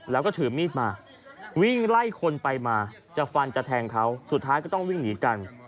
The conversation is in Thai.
แล้วก็ถือมีดมาวิ่งไล่คนไปมาจะฟันจะแทงเขาสุดท้ายก็ต้องวิ่งหนีกัน